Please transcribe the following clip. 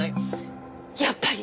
やっぱり？